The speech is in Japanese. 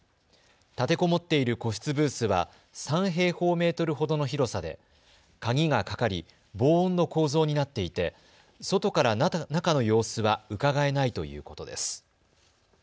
立てこもっている個室ブースは３平方メートルほどの広さで鍵がかかり防音の構造になっていて外から中の様子はうかがえないということです。